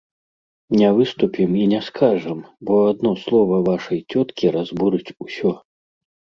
Не выступім і не скажам, бо адно слова вашай цёткі разбурыць усё.